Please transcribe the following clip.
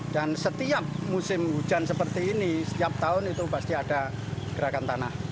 dan setiap musim hujan seperti ini setiap tahun itu pasti ada gerakan tanah